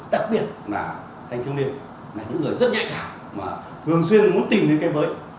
đặc biệt là thanh thương niên những người rất nhạy cảm thường xuyên muốn tìm đến kênh với